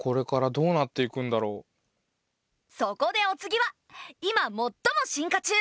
そこでお次は今もっとも進化中！